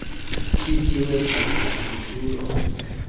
Ĉi tiu estas la futuro.